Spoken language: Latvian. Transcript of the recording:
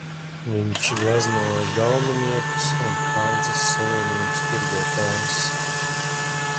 Viņš gleznoja galminiekus un Hanzas savienības tirgotājus.